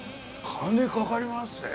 金かかりまっせ。